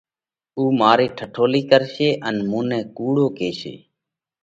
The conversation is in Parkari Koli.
اُو مارئِي ٺٺولئِي ڪرشي ان مُون نئہ ڪُوڙو ڪيشي۔